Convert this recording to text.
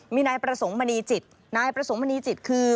มีนายประสงค์มณีจิตนายประสงค์มณีจิตคือ